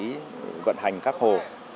quản lý vận hành các hồ